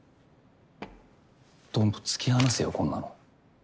どんと突き放せよこんなの。